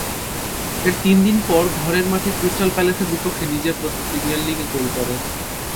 এর তিন দিন পর ঘরের মাঠে ক্রিস্টাল প্যালেসের বিপক্ষে নিজের প্রথম প্রিমিয়ার লিগ গোল করেন।